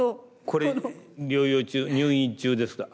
これ療養中入院中ですか？